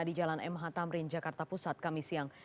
di jalan mh tamrin jakarta pusat kami siang